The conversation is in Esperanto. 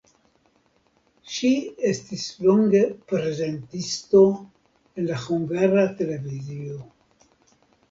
Ŝi estis longe prezentisto en la Hungara Televizio.